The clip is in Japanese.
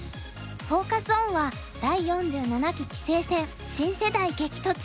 フォーカス・オンは「第４７期棋聖戦新世代激突！！」。